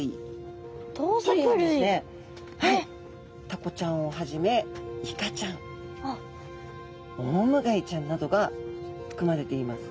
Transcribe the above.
タコちゃんをはじめイカちゃんオウムガイちゃんなどがふくまれています。